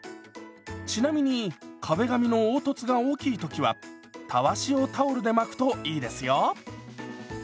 ちなみに壁紙の凹凸が大きい時はたわしをタオルで巻くといいですよ。